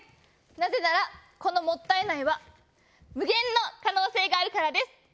なぜならこのもったい苗は無限の可能性があるからです。